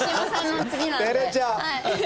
照れちゃう！